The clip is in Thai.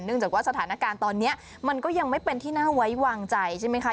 จากว่าสถานการณ์ตอนนี้มันก็ยังไม่เป็นที่น่าไว้วางใจใช่ไหมคะ